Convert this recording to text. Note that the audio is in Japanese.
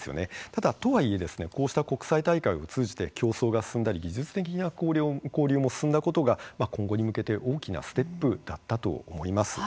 ただ、とはいえですねこうした国際大会を通じて競争が進んだり技術的な交流も進んだことが今後に向けて大きなステップだったと思います。